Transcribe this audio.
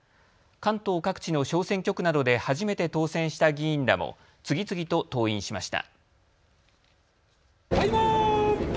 関東各地の小選挙区などで初めて当選した議員らも次々と登院しました。